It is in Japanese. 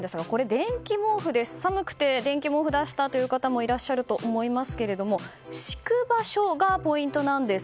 電気毛布で寒くて電気毛布を出したという方いらっしゃると思いますが敷く場所がポイントなんです。